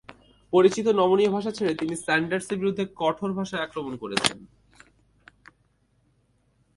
পরিচিত নমনীয় ভাষা ছেড়ে তিনি স্যান্ডার্সের বিরুদ্ধে কঠোর ভাষায় আক্রমণ করেছেন।